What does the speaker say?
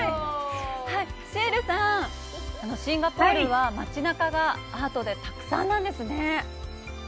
シエルさん、シンガポールは街なかがアートでたくさんなんですね。